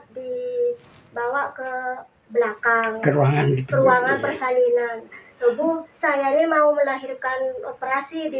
dibawa ke belakang ruangan persalinan tubuh saya ini mau melahirkan operasi di